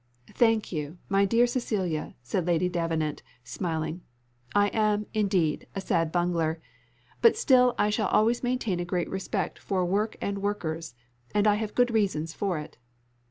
"Thank you! my dear Cecilia," said Lady Davenant, smiling; "I am, indeed, a sad bungler, but still I shall always maintain a great respect for work and workers, and I have good reasons for it."